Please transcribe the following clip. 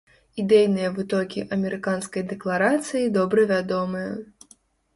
Ідэйныя вытокі амерыканскай дэкларацыі добра вядомыя.